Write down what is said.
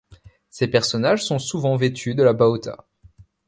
Ses personnages sont souvent vêtus de la bauta.